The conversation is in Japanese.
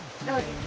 はい。